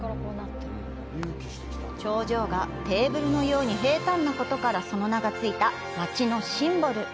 頂上がテーブルのように平たんなことからその名がついた街のシンボル。